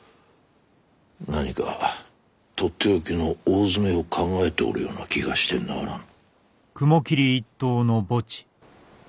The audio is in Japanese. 何か取って置きの大詰めを考えておるような気がしてならぬ。